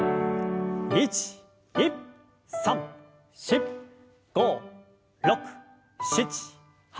１２３４５６７８。